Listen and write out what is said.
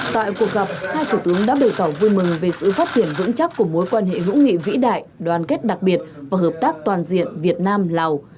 tại cuộc gặp hai thủ tướng đã bày tỏ vui mừng về sự phát triển vững chắc của mối quan hệ hữu nghị vĩ đại đoàn kết đặc biệt và hợp tác toàn diện việt nam lào